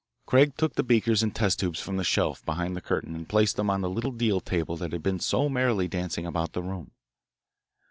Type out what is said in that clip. Craig took the beakers and test tubes from the shelf behind the curtain and placed them on the little deal table that had been so merrily dancing about the room.